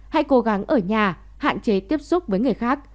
hãy cố gắng ở nhà hạn chế tiếp xúc với người khác